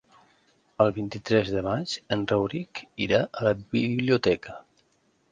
El vint-i-tres de maig en Rauric irà a la biblioteca.